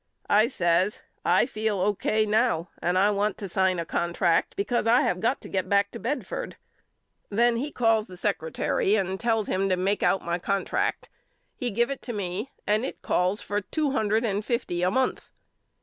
I says I feel O. K. now and I want to sign a con tract because I have got to get back to Bedford. Then he calls the secretary and tells him to make out my contract. He give it to me and it calls for two hundred and fifty a month.